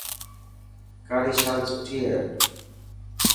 ڪاري شال سٺي هي.